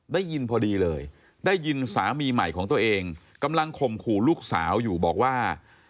ได้ยินพอดีเลยได้ยินสามีใหม่ของตัวเองกำลังข่มขู่ลูกสาวอยู่บอกว่า